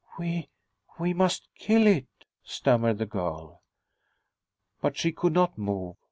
"We we must kill it," stammered the girl. But she could not move.